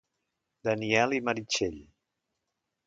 Daniel i Meritxell.